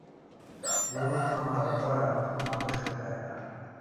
গরুর খামার করার জন্য আদর্শ জায়গা।